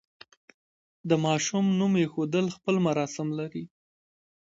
د ماشوم نوم ایښودل خپل مراسم لري.